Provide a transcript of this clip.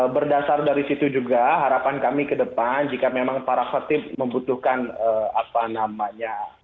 berdasar dari situ juga harapan kami ke depan jika memang para khotib membutuhkan apa namanya